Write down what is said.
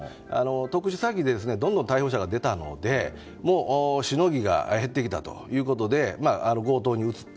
特殊詐欺でどんどん逮捕者が出たのでもう、しのぎが減ってきたということで強盗に移った。